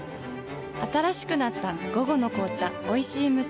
新しくなった「午後の紅茶おいしい無糖」